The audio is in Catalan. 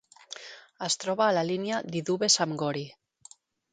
Es troba a la línia Didube-Samgori.